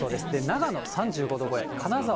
長野３５度超え、金沢、